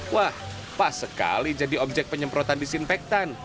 wah pas sekali jadi objek penyemprotan disinfektan